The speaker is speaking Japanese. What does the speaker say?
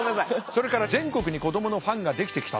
それから全国に子どものファンができてきたと。